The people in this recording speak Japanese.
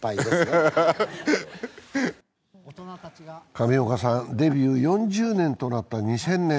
上岡さん、デビュー４０年となった２０００年。